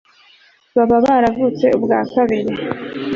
baba baravutse ubwa kabiri